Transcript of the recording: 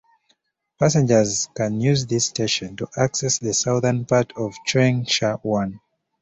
Passengers can use this station to access the southern part of Cheung Sha Wan.